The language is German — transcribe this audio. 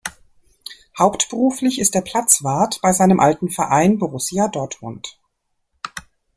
Hauptberuflich ist er Platzwart bei seinem alten Verein Borussia Dortmund.